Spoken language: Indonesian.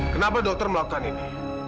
kenapa dokter melakukan ini